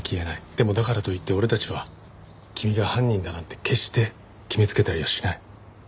でもだからといって俺たちは君が犯人だなんて決して決めつけたりはしない。